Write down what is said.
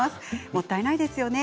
もったいないですよね。